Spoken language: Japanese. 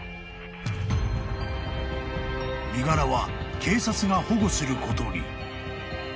［身柄は警察が保護することに］